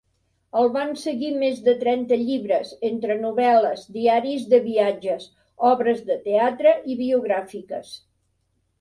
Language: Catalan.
El van seguir més de trenta llibres, entre novel·les, diaris de viatges, obres de teatre i biogràfiques.